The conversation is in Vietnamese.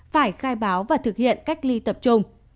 phải khai báo và thực hiện cách ly tập trung